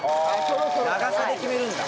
長さで決めるんだ。